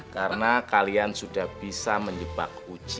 karena kalian sudah bisa menyebak uci